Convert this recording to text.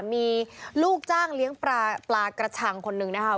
มีลูกจ้างเลี้ยงปลากระชังคนหนึ่งนะคะ